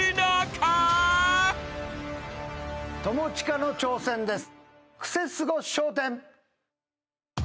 友近の挑戦です。